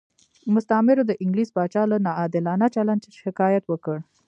مستعمرو د انګلیس پاچا له ناعادلانه چلند شکایت وکړ.